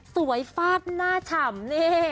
สวยฟาดหน้าฉ่ำ